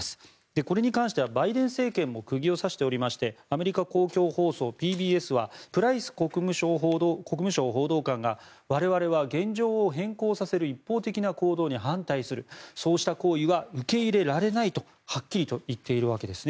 これに関してはバイデン政権も釘を刺しておりましてアメリカ公共放送ＰＢＳはプライス国務省報道官が我々は現状を変更させる一方的な行動に反対するそうした行為は受け入れられないとはっきりと言っているわけです。